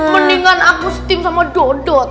mendingan aku sting sama dodot